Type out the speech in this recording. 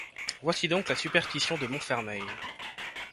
Voici donc la superstition de Montfermeil.